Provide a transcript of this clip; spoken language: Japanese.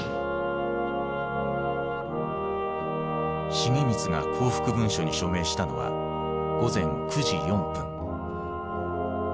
重光が降伏文書に署名したのは午前９時４分。